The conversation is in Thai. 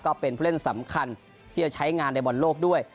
ก็เป็นผู้เล่นสำคัญที่จะใช้งานในบอลโลกด้วย